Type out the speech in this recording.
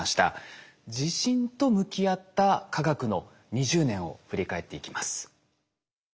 地震と向き合った科学の２０年を振り返っていきます。